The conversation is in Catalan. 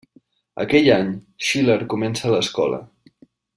Aquell mateix any, Schiller comença l'escola.